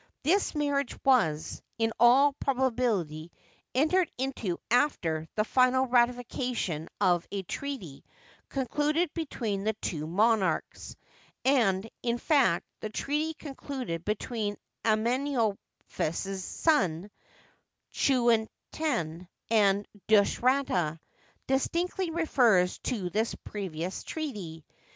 This marriage was, in all probability, entered into after the final ratification of a treaty concluded between the two monarchs, and, in fact, the treaty concluded between Amenophis's son, Chuenaten, and Dushratta distinctly refers to this previous treaty.